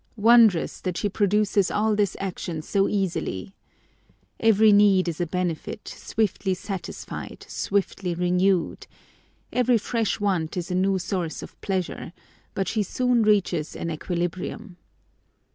Wondrous ! that she produces all this action so easily. Every need is a benefit, swiftly satisfied, swiftly re newed.—Every fresh want is a new source of pleasure, but she soon reaches an equilibrium.